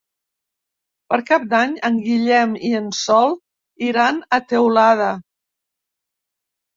Per Cap d'Any en Guillem i en Sol iran a Teulada.